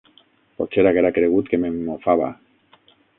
Potser haguera cregut que me'n mofava.